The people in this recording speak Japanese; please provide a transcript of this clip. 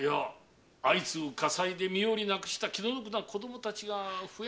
相次ぐ火災で身寄りをなくした気の毒な子供達が増えまして。